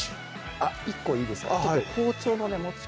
あっ１個いいですか？